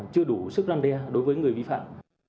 chưa đủ sức răn đe đối với người vi phạm